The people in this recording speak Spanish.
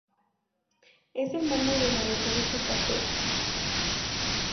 Es hermano de María Teresa Castells.